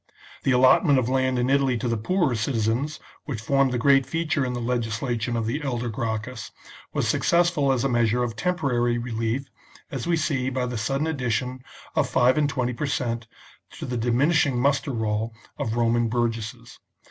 The allotment of land in Italy to the poorer citizens, which formed the great feature in the legislation of the elder Gracchus, was successful as a measure of temporary relief, as we see by the sudden addition of five and twenty per cent, to the diminishing muster roll of Roman burgesses.